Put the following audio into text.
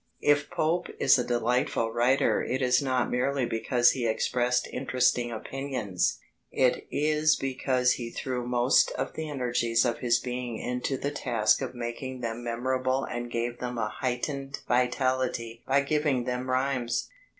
If Pope is a delightful writer it is not merely because he expressed interesting opinions; it is because he threw most of the energies of his being into the task of making them memorable and gave them a heightened vitality by giving them rhymes.